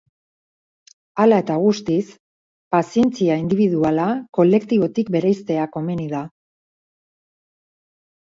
Hala eta guztiz, pazientzia indibiduala kolektibotik bereiztea komeni da.